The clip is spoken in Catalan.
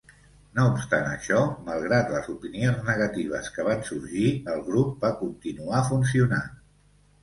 No obstant això, malgrat les opinions negatives que van sorgir, el grup va continuar funcionant.